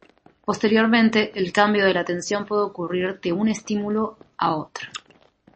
Posteriormente el cambio de la atención puede ocurrir de un estímulo a otro.